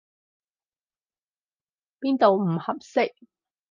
邊度唔合適？